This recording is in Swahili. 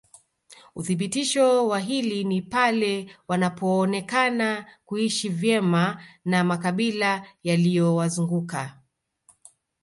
Uthibitisho wa hili ni pale wanapoonekana kuishi vyema na makabila yaliyowazunguka